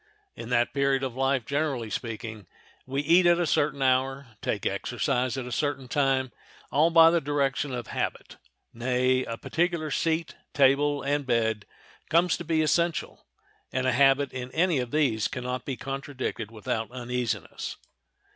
In that period of life, generally speaking, we eat at a certain hour, take exercise at a certain time, all by the direction of habit; nay, a particular seat, table, and bed comes to be essential, and a habit in any of these can not be contradicted without uneasiness.